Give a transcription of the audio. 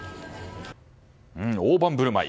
大盤振る舞い。